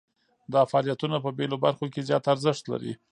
دا فعالیتونه په بیلو برخو کې زیات ارزښت لري.